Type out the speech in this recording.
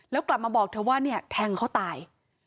แล้วกลับมาบอกเธอว่าเนี่ยแทงเขาตาย